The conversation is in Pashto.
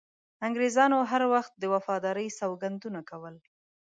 انګریزانو هر وخت د وفادارۍ سوګندونه کول.